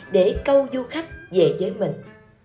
mong du khách về với mình